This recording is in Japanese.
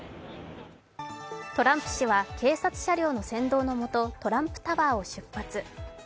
トランプ氏は警察車両の先導のもと、トランプタワーを出発。